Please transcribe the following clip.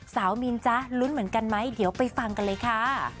มินจ๊ะลุ้นเหมือนกันไหมเดี๋ยวไปฟังกันเลยค่ะ